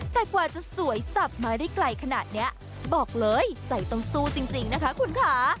แต่กว่าจะสวยสับมาได้ไกลขนาดนี้บอกเลยใจต้องสู้จริงนะคะคุณค่ะ